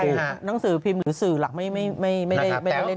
แบบตั้งสือพิมพ์หรือสื่อหลักไม่แล้ว